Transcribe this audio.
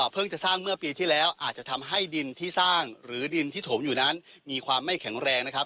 จะสร้างเมื่อปีที่แล้วอาจจะทำให้ดินที่สร้างหรือดินที่ถมอยู่นั้นมีความไม่แข็งแรงนะครับ